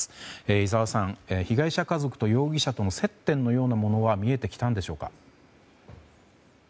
井澤さん、被害者家族と容疑者との接点のようなものは見えてきたんでしょうか。